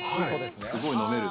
すごい飲める。